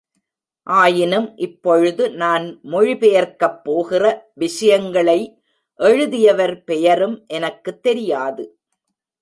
ஆயினும் இப்பொழுது நான் மொழி பெயர்க்கப் போகிற விஷயங்களைஎழுதியவர் பெயரும் எனக்குத் தெரியாது.